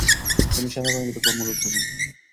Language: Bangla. তিনি সেনাবাহিনীতে কর্মরত থাকেন।